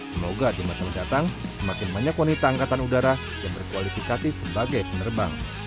semoga di masa mendatang semakin banyak wanita angkatan udara yang berkualifikasi sebagai penerbang